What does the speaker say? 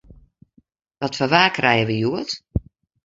Wat foar waar krije we hjoed?